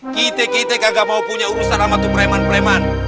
kita kita gak mau punya urusan sama tuh preman preman